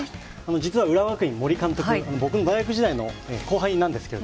実は浦和学院、森監督、僕の大学時代の後輩なんです。